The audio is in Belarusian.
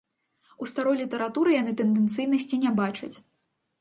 У старой літаратуры яны тэндэнцыйнасці не бачаць.